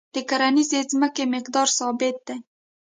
د کرنیزې ځمکې مقدار ثابت دی.